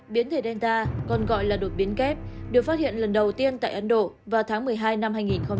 biến thể denta còn gọi là đột biến kép được phát hiện lần đầu tiên tại ấn độ vào tháng một mươi hai năm hai nghìn hai mươi